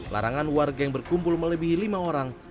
larangan warga yang berkumpul melebihi lima orang